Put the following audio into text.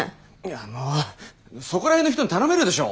ああもうそこら辺の人に頼めるでしょう！